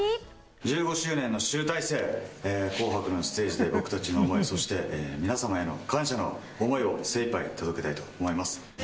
１５周年の集大成、紅白のステージで僕たちの思い、そして皆様への感謝の思いを精いっぱい届けたいと思います。